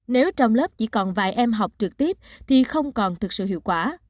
nếu trong lớp chỉ còn vài em học trực tiếp thì không còn thực sự hiệu quả